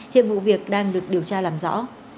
hiệp vụ việc đang được điều tra làm rõ